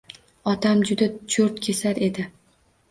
Otam juda cho‘rtkesar edi.